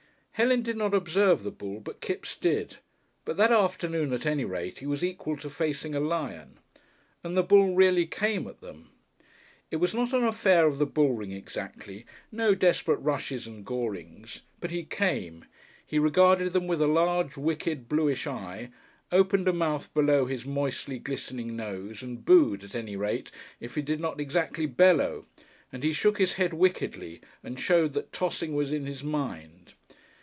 Helen did not observe the bull, but Kipps did; but, that afternoon at any rate, he was equal to facing a lion. And the bull really came at them. It was not an affair of the bull ring exactly, no desperate rushes and gorings; but he came; he regarded them with a large, wicked, bluish eye, opened a mouth below his moistly glistening nose and booed, at any rate, if he did not exactly bellow, and he shook his head wickedly and showed that tossing was in his mind.